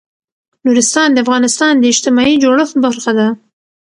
نورستان د افغانستان د اجتماعي جوړښت برخه ده.